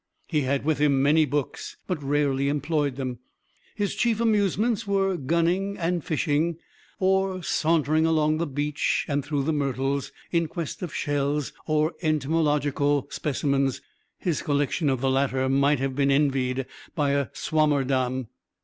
He had with him many books, but rarely employed them. His chief amusements were gunning and fishing, or sauntering along the beach and through the myrtles, in quest of shells or entomological specimens his collection of the latter might have been envied by a Swammerdamm.